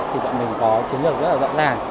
thì bọn mình có chiến lược rất là rõ ràng